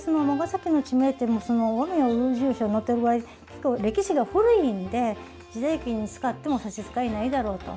その尼崎の地名っていうのも「和名類聚抄」に載ってるぐらい歴史が古いんで時代劇に使っても差し支えないだろうと。